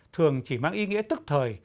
thường chỉ mang ý nghĩa tức thời